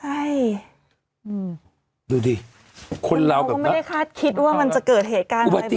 ใช่ดูดิคนเราเขาก็ไม่ได้คาดคิดว่ามันจะเกิดเหตุการณ์อะไรแบบนี้